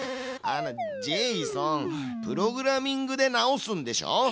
あのジェイソンプログラミングで直すんでしょ？